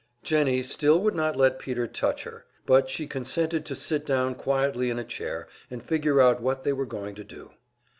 Jennie still would not let Peter touch, her, but she consented to sit down quietly in a chair, and figure out what they were going to do.